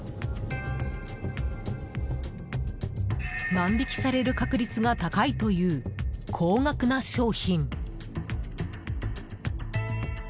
万引きされる確率が高いという高額な商品。